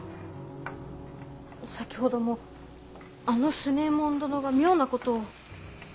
さきほどもあの強右衛門殿が妙なことを。